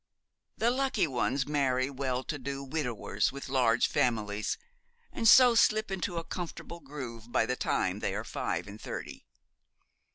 The lucky ones marry well to do widowers with large families, and so slip into a comfortable groove by the time they are five and thirty.